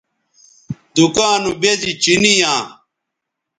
دکاں نو بیزی چینی یاں